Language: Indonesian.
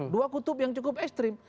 dua kutub yang cukup ekstrim